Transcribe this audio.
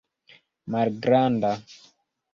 malgranda